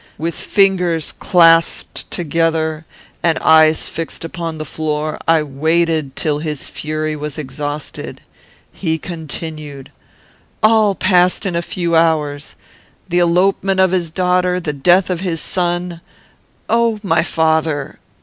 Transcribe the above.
With fingers clasped together, and eyes fixed upon the floor, I waited till his fury was exhausted. He continued: "'All passed in a few hours. The elopement of his daughter, the death of his son. O my father!